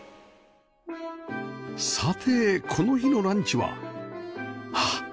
さてこの日のランチははっ！